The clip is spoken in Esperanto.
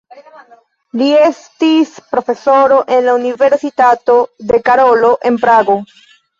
Li estis profesoro en la Universitato de Karolo en Prago.